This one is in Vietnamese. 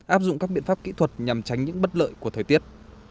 áp dụng các biện pháp kỹ thuật nhằm tránh những bất lợi của thời tiết